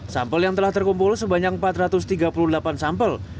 sampel yang telah terkumpul sebanyak empat ratus tiga puluh delapan sampel